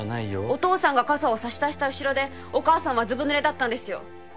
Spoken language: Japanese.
お父さんが傘を差し出した後ろでお母さんはずぶぬれだったんですよ